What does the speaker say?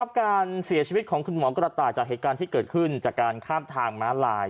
การเสียชีวิตของคุณหมอกระต่ายจากเหตุการณ์ที่เกิดขึ้นจากการข้ามทางม้าลาย